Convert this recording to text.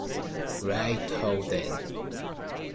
Right ho, then.